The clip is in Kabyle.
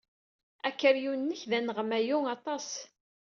Akeryun-nnek d aneɣmayu aṭas.